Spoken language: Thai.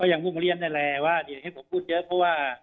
ก็อย่างพี่มาเลี่ยนแล้วให้ผมพูดเยอะเพราะว่า